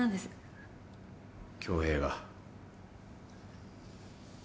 恭平が。